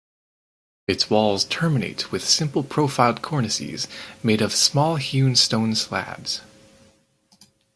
Its walls terminate with simple profiled cornices made of small hewn stone slabs.